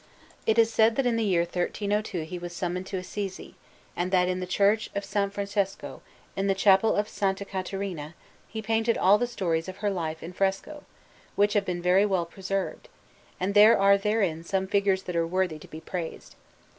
It is said that in the year 1302 he was summoned to Assisi, and that in the Church of S. Francesco, in the Chapel of S. Caterina, he painted all the stories of her life in fresco, which have been very well preserved; and there are therein some figures that are worthy to be praised.